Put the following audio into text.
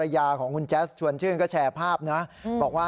อย่างแสมอ